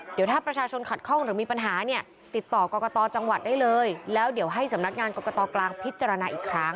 เดี๋ยวถ้าประชาชนขัดข้องหรือมีปัญหาเนี่ยติดต่อกรกตจังหวัดได้เลยแล้วเดี๋ยวให้สำนักงานกรกตกลางพิจารณาอีกครั้ง